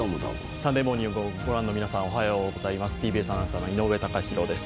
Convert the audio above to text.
「サンデーモーニング」を御覧の皆さんおはようございます。